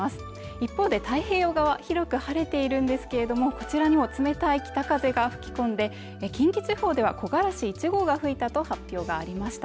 一方で太平洋側は広く晴れているんですけれどもこちらにも冷たい北風が吹き込んで近畿地方では木枯らし１号が吹いたと発表がありました